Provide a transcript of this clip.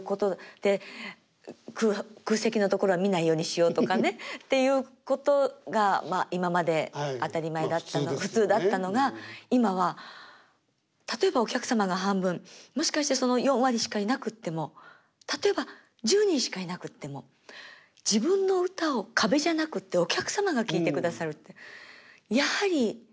で空席の所は見ないようにしようとかねっていうことが今まで当たり前だった普通だったのが今は例えばお客様が半分もしかしてその４割しかいなくっても例えば１０人しかいなくっても自分の歌を壁じゃなくてお客様が聴いてくださるってやはり。